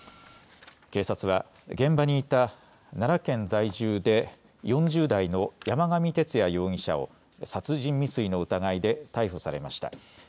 警察は、現場にいた奈良県在住で４０代の山上徹也容疑者を殺人未遂の疑いで逮捕されました。